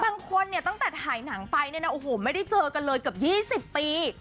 บางคนเนี่ยตั้งแต่ถ่ายหนังไปเนี่ยนะโอ้โหไม่ได้เจอกันเลยเกือบ๒๐ปี